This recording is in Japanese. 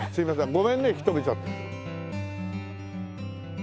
ごめんね引き留めちゃって。